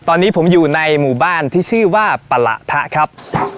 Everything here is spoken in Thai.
ตอนนี้ผมอยู่ในหมู่บ้านที่ชื่อว่าปะละทะครับ